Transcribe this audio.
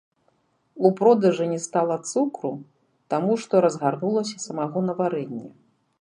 У продажы не стала цукру, таму што разгарнулася самагонаварэнне.